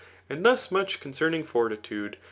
And thus much concerning fortitude.